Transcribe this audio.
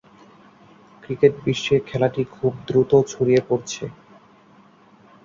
Cricket বিশ্বে খেলাটি খুব দ্রুত ছড়িয়ে পড়েছে।